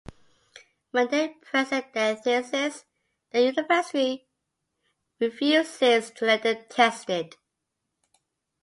When they present their thesis, the university refuses to let them test it.